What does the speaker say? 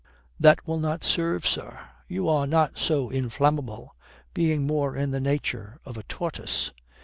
"That will not serve, sir. You are not so inflammable. Being more in the nature of a tortoise."